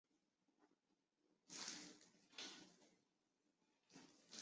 本曲在朝鲜中央广播电台的音乐节目中多次被播放。